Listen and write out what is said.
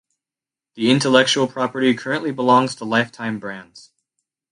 The intellectual property currently belongs to Lifetime Brands.